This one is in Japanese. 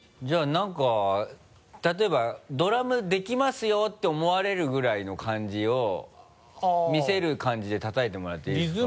何か例えばドラムできますよって思われるぐらいの感じを見せる感じで叩いてもらっていいですか？